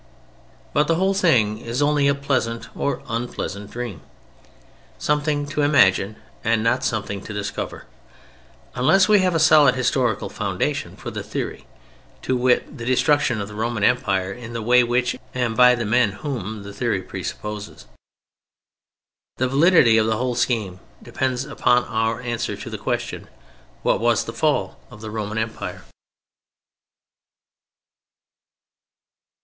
] But the whole thing is only a pleasant (or unpleasant) dream, something to imagine and not something to discover, unless we have a solid historical foundation for the theory: to wit, the destruction of the Roman Empire in the way which, and by the men whom, the theory presupposes. The validity of the whole scheme depends upon our answer to the question, "What was the fall of the Roman Empire?"